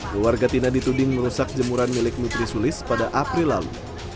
keluarga tina dituding merusak jemuran milik nutri sulis pada april lalu